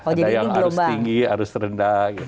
ada yang harus tinggi harus rendah